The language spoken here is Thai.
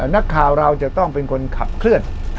นักข่าวเราจะต้องเป็นคนขับเคลื่อน